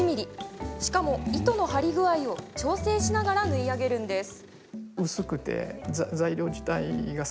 しかも、糸の張り具合を調整しながら縫い上げるんです。